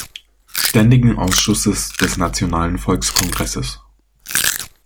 Ständigen Ausschusses des Nationalen Volkskongresses.